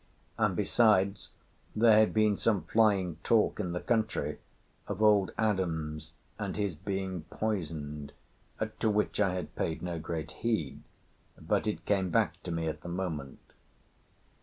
And, besides, there had been some flying talk in the country of old Adams and his being poisoned, to which I had paid no great heed; but it came back to me at the moment.